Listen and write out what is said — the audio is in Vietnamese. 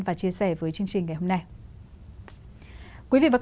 và chia sẻ với chương trình ngày hôm nay